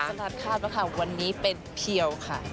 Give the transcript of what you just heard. สนัดภาพแล้วค่ะวันนี้เป็นเพียวค่ะ